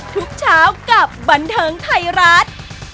ทุกเช้ากับบันเทิงไทยรัฐ